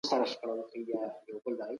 ولسمشر د نړیوالي محکمې پریکړه نه ردوي.